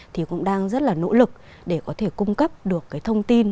thì cũng đang rất là nỗ lực để có thể cung cấp được cái thông tin